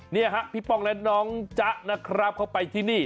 นี่พี่ป้องและน้องจ๊ะเข้าไปที่นี่